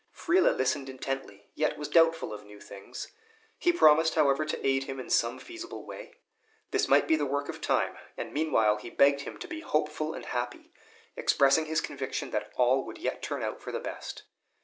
Friele listened intently, yet was doubtful of new things. He promised, however, to aid him in some feasible way. This might be the work of time, and meanwhile he begged him to be hopeful and happy, expressing his conviction that all would yet turn out for the best.